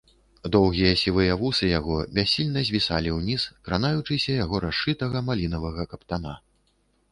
Доўгія сівыя вусы яго бяссільна звісалі ўніз, кранаючыся яго расшытага малінавага каптана.